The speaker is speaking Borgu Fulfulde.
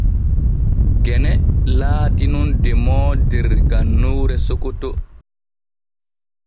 Gene laati nun demoowo der gannuure Sokoto.